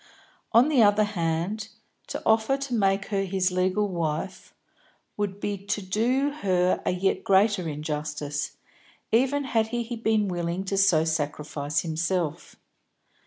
On the other hand, to offer to make her his legal wife would be to do her a yet greater injustice, even had he been willing to so sacrifice himself.